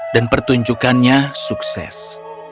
dan pertunjukannya sukses